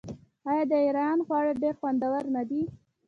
آیا د ایران خواړه ډیر خوندور نه دي؟